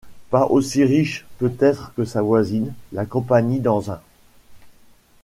Pas aussi riche peut-être que sa voisine, la Compagnie d’Anzin.